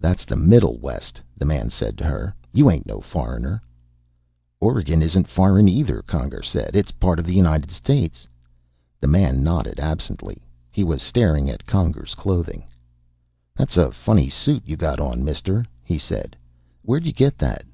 "That's the Middle West," the man said to her. "You ain't no foreigner." "Oregon isn't foreign, either," Conger said. "It's part of the United States." The man nodded absently. He was staring at Conger's clothing. "That's a funny suit you got on, mister," he said. "Where'd you get that?"